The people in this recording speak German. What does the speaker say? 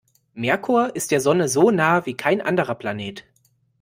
Merkur ist der Sonne so nah wie kein anderer Planet.